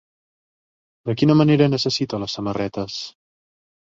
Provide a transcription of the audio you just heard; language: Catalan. De quina manera necessita les samarretes?